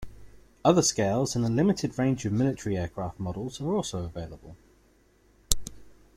Other scales and a limited range of military aircraft models are also available.